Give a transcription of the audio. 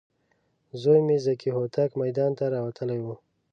زوی مې ذکي هوتک میدان ته راوتلی و.